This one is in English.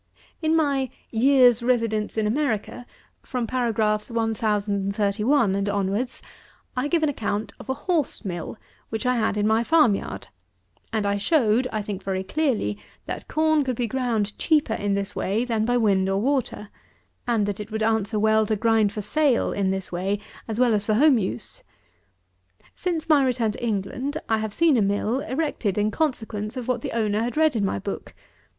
In my "Year's Residence in America," from Paragraphs 1031 and onwards, I give an account of a horse mill which I had in my farm yard; and I showed, I think very clearly, that corn could be ground cheaper in this way than by wind or water, and that it would answer well to grind for sale in this way as well as for home use. Since my return to England I have seen a mill, erected in consequence of what the owner had read in my book.